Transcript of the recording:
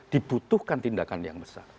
dibutuhkan tindakan yang besar